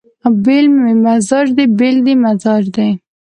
بېل مې مزاج دی بېل دې مزاج دی